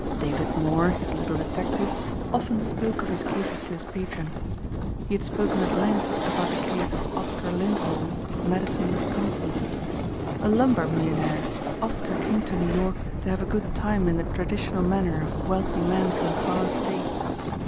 David Moor, his little detective, often spoke of his cases to his patron. He had spoken at length about the case of Oscar Lindholm of Madison, Wisconsin. A lumber millionaire, Oscar came to New York to have a good time in the traditional manner of wealthy men from far states.